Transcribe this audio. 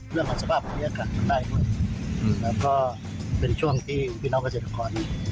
เรื่องของสภาพเงียบจำได้นั่นนะก็เป็นช่วงที่พี่น้องเกษตรกร